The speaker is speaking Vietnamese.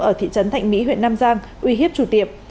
ở thị trấn thạnh mỹ huyện nam giang uy hiếp chủ tiệm